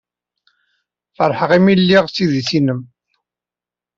Feṛḥeɣ imi ay lliɣ s idis-nnem.